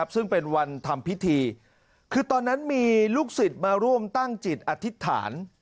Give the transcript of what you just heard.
ซึ่งเป็นวันทำพิธีคือตอนนั้นมีลูกศิษย์มาร่วมตั้งจิตอธิษฐาน